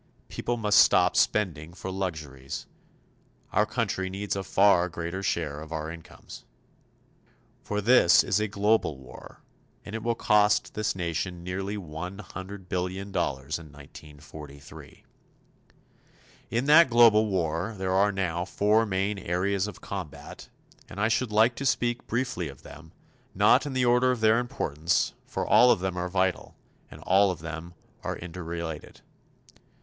People must stop spending for luxuries. Our country needs a far greater share of our incomes. For this is a global war, and it will cost this nation nearly one hundred billion dollars in 1943. In that global war there are now four main areas of combat; and I should like to speak briefly of them, not in the order of their importance, for all of them are vital and all of them are interrelated.